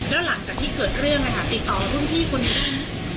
แล้วหลังจากที่เกิดเรื่องเลยค่ะติดต่อร่วมพี่คุณค่ะ